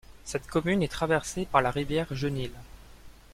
Cette commune est traversée par la rivière Genil.